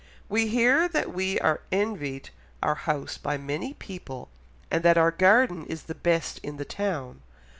"We hear that we are envied our house by many people, and that our garden is the best in the town."